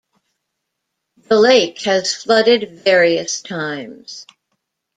The lake has flooded various times.